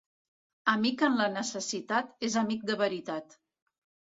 Amic en la necessitat és amic de veritat.